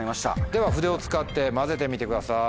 では筆を使って混ぜてみてください。